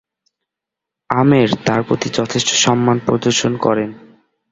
আমের তার প্রতি যথেষ্ট সম্মান প্রদর্শন করেন।